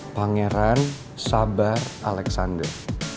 pangeran sabar alexander